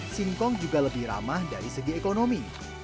singkong juga lebih ramah dari segi ekonomi